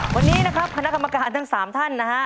วันนี้นะครับคณะกรรมการทั้ง๓ท่านนะฮะ